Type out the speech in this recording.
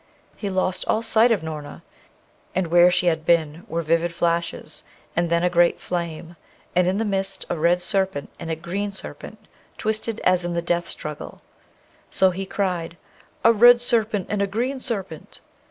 He lost all sight of Noorna; and where she had been were vivid flashes, and then a great flame, and in the midst a red serpent and a green serpent twisted as in the death struggle. So he cried, 'A red serpent and a green serpent!'